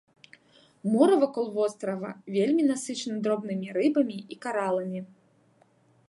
Мора вакол вострава вельмі насычана дробнымі рыбамі і караламі.